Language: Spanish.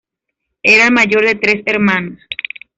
Era el mayor de tres hermanos.